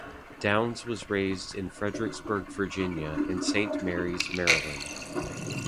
Downes was raised in Fredericksburg, Virginia and Saint Mary's Maryland.